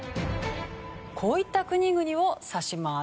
こういった国々を指します。